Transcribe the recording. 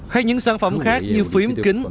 hay những sản phẩm khác như phím kính